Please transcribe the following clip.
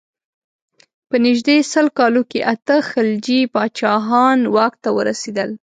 په نژدې سل کالو کې اته خلجي پاچاهان واک ته ورسېدل.